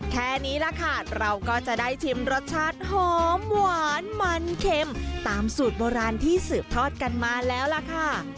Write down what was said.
แค่นี้ล่ะค่ะเราก็จะได้ชิมรสชาติหอมหวานมันเข็มตามสูตรโบราณที่สืบทอดกันมาแล้วล่ะค่ะ